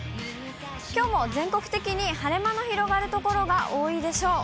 きょうも全国的に晴れ間の広がる所が多いでしょう。